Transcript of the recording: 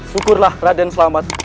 syukurlah raden selamat